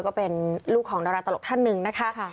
ก็เป็นลูกของดาราตลกท่านหนึ่งนะคะ